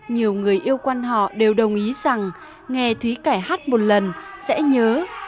nhiều người yêu quan họ đều đồng ý rằng nghe thúy cải hát một lần sẽ nhớ